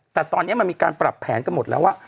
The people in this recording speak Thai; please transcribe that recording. แต่ตอนนี้มันมีการปรับแผนกันหมดแล้วว่า